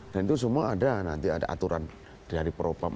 dan itu semua ada nanti ada aturan dari perupam